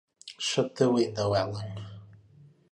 Shut the window, Ellen!